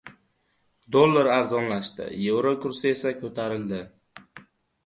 Dollar arzonlashdi, yevro kursi esa ko‘tarildi